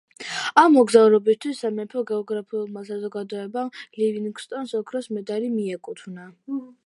ამ მოგზაურობისათვის სამეფო გეოგრაფიულმა საზოგადოებამ ლივინგსტონს ოქროს მედალი მიაკუთვნა.